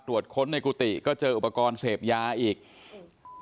ค้นในกุฏิก็เจออุปกรณ์เสพยาอีก